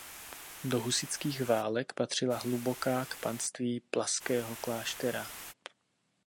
Do Husitských válek patřila Hluboká k panství plaského kláštera.